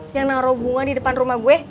yang naruh bunga di depan rumah gue